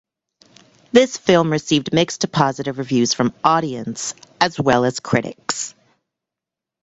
This film received mixed to positive reviews from audience as well as critics.